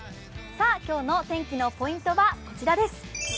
今日の天気のポイントは、こちらです。